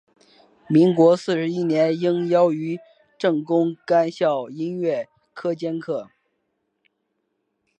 民国四十一年应邀于政工干校音乐科兼课。